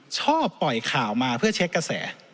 ชอบปล่อยข่าวมาเพื่อเช็คกระแส